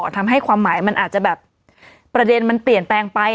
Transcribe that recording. ทำให้ความหมายมันอาจจะแบบประเด็นมันเปลี่ยนแปลงไป